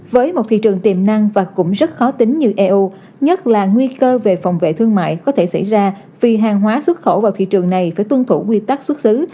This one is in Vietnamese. với một thị trường tiềm năng và cũng rất khó tính như eu nhất là nguy cơ về phòng vệ thương mại có thể xảy ra vì hàng hóa xuất khẩu vào thị trường này phải tuân thủ quy tắc xuất xứ